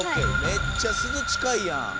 めっちゃすず近いやん！